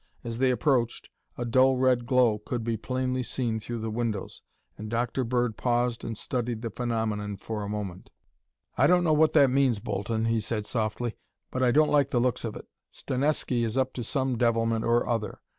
As they approached, a dull red glow could be plainly seen through the windows, and Dr. Bird paused and studied the phenomenon for a moment. "I don't know what that means, Bolton," he said softly, "but I don't like the looks of it. Stanesky is up to some devilment or other.